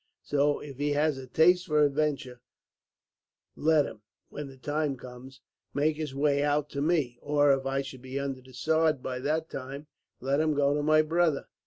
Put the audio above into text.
So, if he has a taste for adventure let him, when the time comes, make his way out to me; or if I should be under the sod by that time, let him go to my brother.